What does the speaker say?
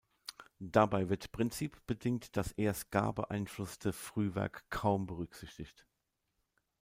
Dabei wird prinzipbedingt das eher Ska-beeinflusste Frühwerk kaum berücksichtigt.